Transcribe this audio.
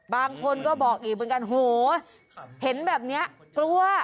บางคนก็บอกอีกเหมือนกันโหเห็นแบบนี้กลัว